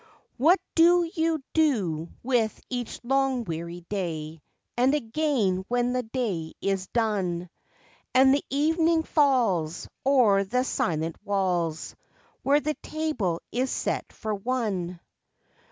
What do you do with each long weary day, And again when the day is done, And the evening falls O'er the silent walls Where the table is set for one?